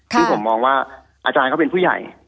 ซึ่งผมมองว่าอาจารย์เขาเป็นผู้ใหญ่